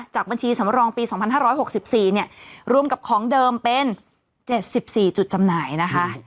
จากบัญชีสำรองปีสองพันห้าร้อยหกสิบสี่เนี่ยรวมกับของเดิมเป็นเจ็ดสิบสี่จุดจำหน่ายนะคะ